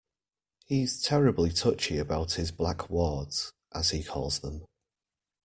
He's terribly touchy about his black wards, as he calls them.